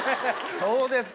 そうですか。